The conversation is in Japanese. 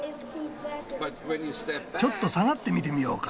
ちょっと下がって見てみようか。